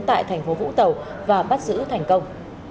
tại thành phố vũng tàu và bắt giữ thành công